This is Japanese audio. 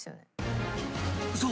［そう。